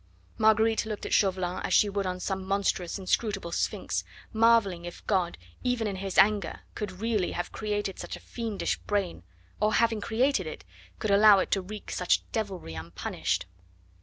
Marguerite looked at Chauvelin as she would on some monstrous, inscrutable Sphinx, marveling if God even in His anger could really have created such a fiendish brain, or, having created it, could allow it to wreak such devilry unpunished.